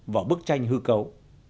vào bức tranh hư cấu